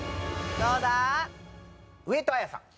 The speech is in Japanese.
どうだ？